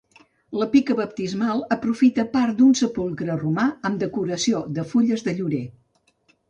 La pica baptismal aprofita part d'un sepulcre romà, amb decoració de fulles de llorer.